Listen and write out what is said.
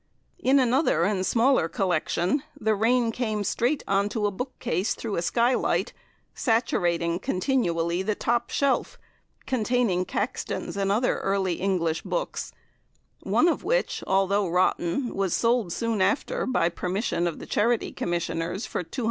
In another and smaller collection, the rain came straight on to a book case through a sky light, saturating continually the top shelf containing Caxtons and other early English books, one of which, although rotten, was sold soon after by permission of the Charity Commissioners for L200.